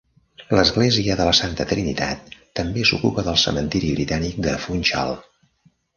L'església de la Santa Trinitat també s'ocupa del cementiri britànic de Funchal.